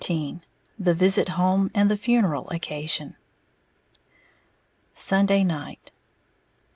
XIV THE VISIT HOME, AND THE FUNERAL OCCASION _Sunday Night.